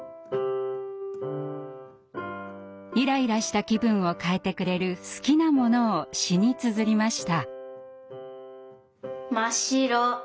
イライラした気分を変えてくれる好きなものを詩につづりました。